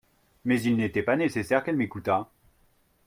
Mais il n'était pas nécessaire qu'elle m'écoutat.